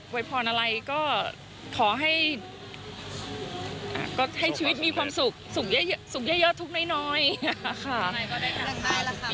วัยพรอะไรก็ขอให้ก็ให้ชีวิตมีความสุขสุขเยอะเยอะสุขเยอะเยอะทุกน้อยน้อยค่ะ